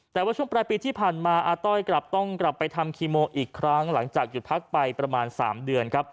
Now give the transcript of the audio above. แต่ว่าช่วงปลายปีที่ผ่านมาอาต้อยกลับต้องกลับไปทำคีโมอีกครั้งหลังจากหยุดพักไปประมาณ๓เดือนครับ